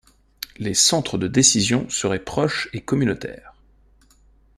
Les centres de décisions seraient proches et communautaires.